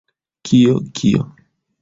Kio? Kio?